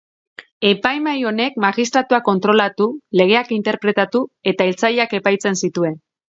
Epaimahai honek magistratuak kontrolatu, legeak interpretatu eta hiltzaileak epaitzen zituen.